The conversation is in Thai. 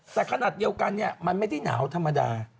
แต่ขนาดเดียวกันเนี่ยมันไม่ได้หนาวธรรมดา